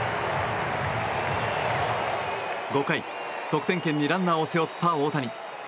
５回、得点圏にランナーを背負った大谷。